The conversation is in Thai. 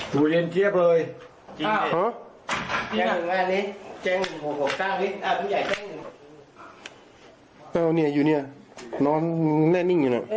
พุ่งใหญ่แจ้งเออเนี่ยอยู่เนี่ยนอนแน่นิ่งอยู่น่ะเออ